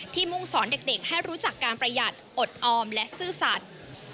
มุ่งสอนเด็กให้รู้จักการประหยัดอดออมและซื่อสัตว์